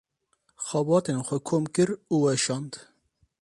Xebatên xwe kom kir û weşand.